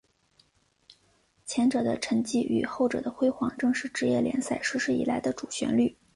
前者的沉寂与后者的辉煌正是职业联赛实施以来的主旋律。